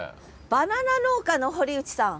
バナナ農家の堀内さん。